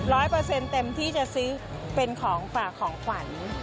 เปอร์เซ็นต์เต็มที่จะซื้อเป็นของฝากของขวัญ